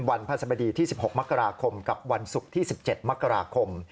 พระสบดีที่๑๖มกราคมกับวันศุกร์ที่๑๗มกราคม